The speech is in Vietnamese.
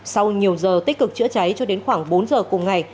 sau nhiều giờ tích cực chữa cháy cho đến khoảng bốn giờ cùng ngày